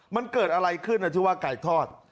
มันเกิดอะไรขึ้นที่ว่าไก่ทอด